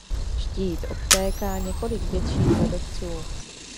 Štít obtéká několik větších ledovců.